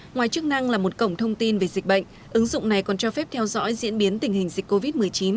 ngoài chức năng là một cổng thông tin về dịch bệnh ứng dụng này còn cho phép theo dõi diễn biến tình hình dịch covid một mươi chín